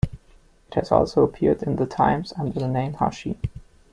It has also appeared in "The Times" under the name "Hashi".